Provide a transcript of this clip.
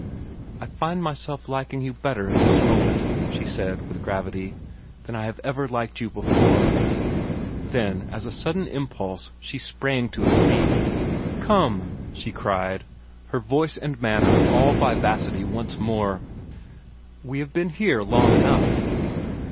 "I find myself liking you better at this moment," she said, with gravity, "than I have ever liked you before." Then, as by a sudden impulse, she sprang to her feet. "Come!" she cried, her voice and manner all vivacity once more, "we have been here long enough."